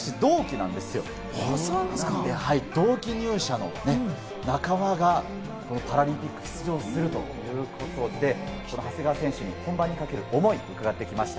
なので同期入社の仲間がパラリンピックに出場するということで、この長谷川選手に本番にかける思いをうかがってきました。